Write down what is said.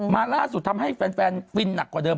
ล่าสุดทำให้แฟนฟินหนักกว่าเดิม